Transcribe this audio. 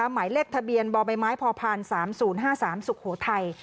หมายเลขทะเบียนบบพ๓๐๕๓สุโขทัย